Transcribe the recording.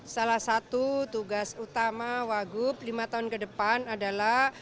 salah satu tugas utama wagup lima tahun ke depan adalah